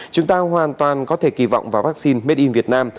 chúng ta hoàn toàn có thể kỳ vọng vào vaccine made in vietnam